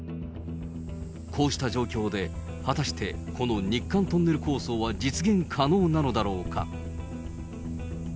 こうした状況で、果たしてこの日韓トンネル構想は実現可能なのだろうか。